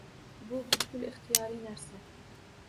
Bu butkul ixtiyoriy narsa.